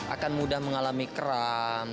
akan mudah mengalami keram